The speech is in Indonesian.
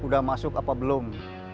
sudah masuk apa belum